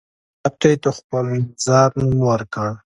کتاب ته یې تحفته النظار نوم ورکړ.